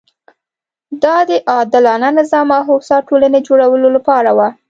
دا د عادلانه نظام او هوسا ټولنې جوړولو لپاره وه.